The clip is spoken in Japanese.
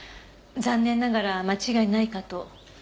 残念ながら間違いないかと。